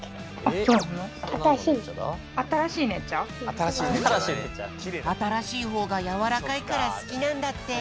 あたらしいほうがやわらかいからすきなんだって。